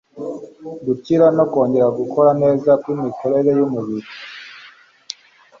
gukira no kongera gukora neza kwimikorere yumubiri